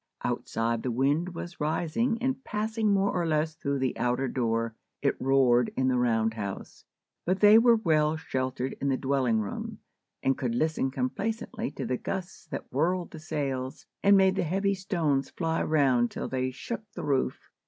Outside, the wind was rising, and, passing more or less through the outer door, it roared in the round house; but they were well sheltered in the dwelling room, and could listen complacently to the gusts that whirled the sails, and made the heavy stones fly round till they shook the roof.